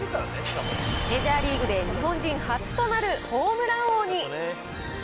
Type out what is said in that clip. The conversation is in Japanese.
メジャーリーグで日本人初となるホームラン王に。